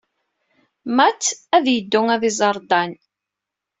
Matt ad yeddu ad iẓer Dan.